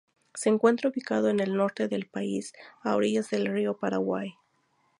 Se encuentra ubicado en el norte del país a orillas del río Paraguay.